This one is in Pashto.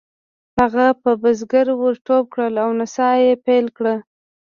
هغه په بزګر ور ټوپ کړل او نڅا یې پیل کړه.